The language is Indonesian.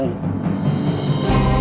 saya akan siapkannya